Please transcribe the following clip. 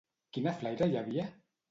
Quina flaire hi havia?